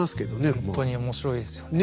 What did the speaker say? ほんとに面白いですよね。